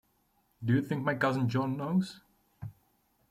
Do you think my cousin John knows?